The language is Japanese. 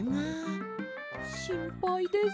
しんぱいです。